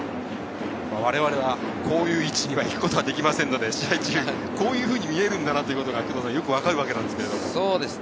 我々はこういう位置に行くことはできませんので、試合中はこういうふうに見えるんだなということがわかるわけです。